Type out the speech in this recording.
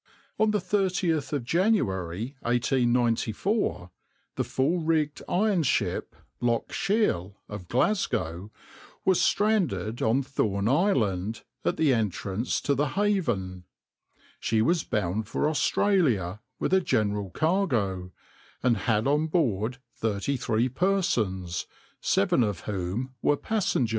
On the 30th of January 1894, the full rigged iron ship {\itshape{Loch Shiel}} of Glasgow was stranded on Thorn Island, at the entrance to the Haven. She was bound for Australia with a general cargo, and had on board thirty three persons, seven of whom were passengers.